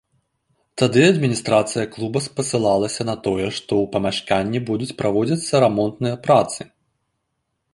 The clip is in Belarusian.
Тады адміністрацыя клуба спасылалася на тое, што ў памяшканні будуць праводзіцца рамонтныя працы.